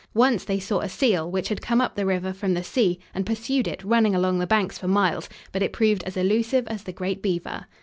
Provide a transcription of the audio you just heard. Once they saw a seal, which had come up the river from the sea, and pursued it, running along the banks for miles, but it proved as elusive as the great beaver.